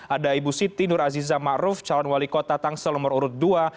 ada ibu siti nur aziza ma'ruf calon wali kota tangsel nomor urut dua